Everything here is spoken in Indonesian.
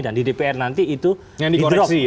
dan di dpr nanti itu di drop